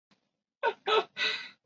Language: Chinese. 明朝洪武元年改为府。